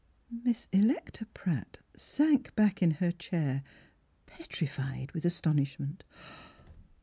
Miss Electa Pratt sank back in her chair petrified with astonishment.